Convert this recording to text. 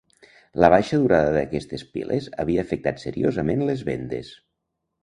La baixa durada d'aquestes piles havia afectat seriosament les vendes.